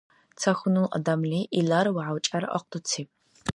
Ца хьунул адамли илар вяв-чӀяр ахъдуциб.